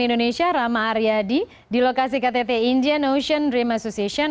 indonesia rama aryadi di lokasi ktt india nation dream association